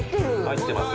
入ってます？